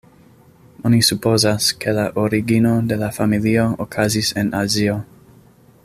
Oni supozas, ke la origino de la familio okazis en Azio.